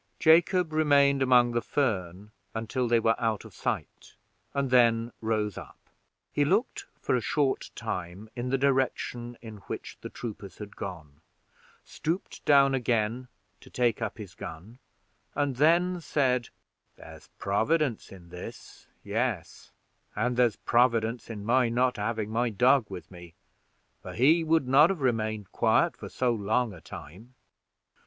Jacob remained among the fern until they were out of sight, and then rose up. He looked for a short time in the direction in which the troopers had gone, stooped down again to take up his gun, and then said, "There's providence in this; yes, and there's providence in my not having my dog with me, for he would not have remained quiet for so long a time.